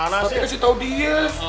tapi gue sih tau nih